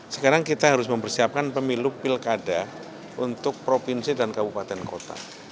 sekarang kita harus mempersiapkan pemilu pilkada untuk provinsi dan kabupaten kota